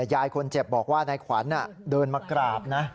ยายคนเจ็บบอกว่านายขวัญเดินมากราบนะ